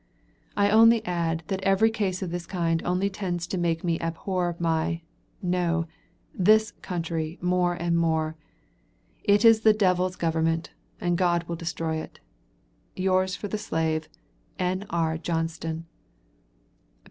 I only add that every case of this kind only tends to make me abhor my (no!) this country more and more. It is the Devil's Government, and God will destroy it. Yours for the slave, N.R. JOHNSTON.